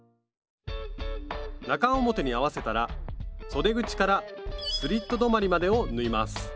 中表に合わせたらそで口からスリット止まりまでを縫います